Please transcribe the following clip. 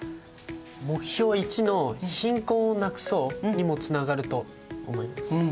目標１の「貧困をなくそう」にもつながると思います。